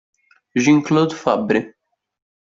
Jean-Claude Fabbri